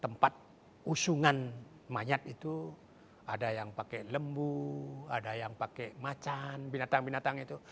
tempat usungan mayat itu ada yang pakai lembu ada yang pakai macan binatang binatang itu